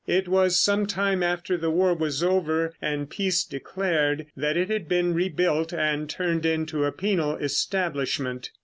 It was some time after the war was over and peace declared that it had been rebuilt and turned into a penal establishment.